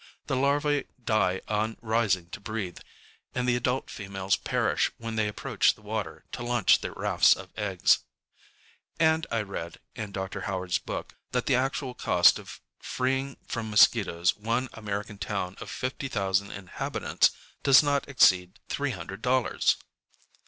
The larvae die on rising to breathe; and the adult females perish when they approach the water to launch their rafts of eggs. And I read, in Dr. HowardŌĆÖs book, that the actual cost of freeing from mosquitoes one American town of fifty thousand inhabitants, does not exceed three hundred dollars!...